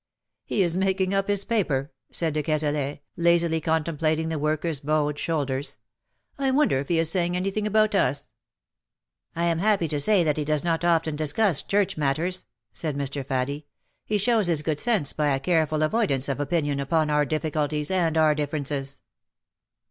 '' He is making up his paper,^^ said de Cazalet, lazily contemplating the worker's bowed shoulders. " I wonder if he is saying anything about us/' " I am happy to say that he does not often discuss church matters,'' said Mr. Faddie. " He shows his good sense by a careful avoidance of opinion upon our difficulties and our differences."